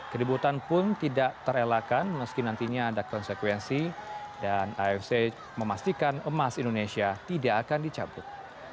keributan pun tidak terelakkan meski nantinya ada konsekuensi dan afc memastikan emas indonesia tidak akan dicabut